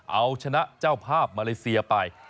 เอาชนะเจ้าภาพมาเลเซียไป